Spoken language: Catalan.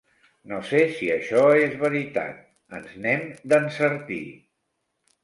No sé si això és veritat: ens n'hem d'encertir!